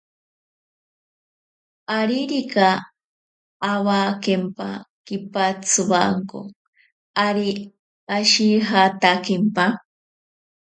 Aririka awakempa kipatsiwako, ari ashijatakempa.